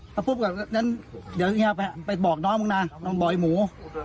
แล้วปุ๊บก็อย่างนี้ไปบอกน้องมึงนะน้องบ่อยหมู